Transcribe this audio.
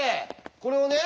これをね。